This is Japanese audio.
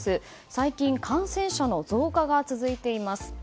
最近、感染者の増加が続いています。